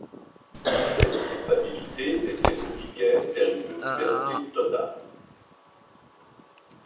Cette culpabilité était mon ticket vers une liberté totale.